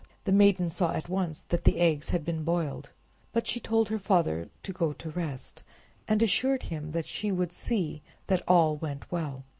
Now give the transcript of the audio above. The maiden saw at once that the eggs had been boiled, but she told her father to go to rest, and assured him that she would see that all went well.